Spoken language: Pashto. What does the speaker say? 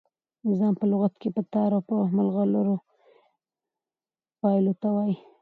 نظام په لغت کښي په تار د ملغلرو پېیلو ته وايي.